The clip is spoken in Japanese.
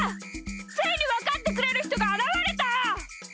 ついにわかってくれるひとがあらわれた！